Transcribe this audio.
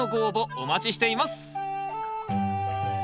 お待ちしています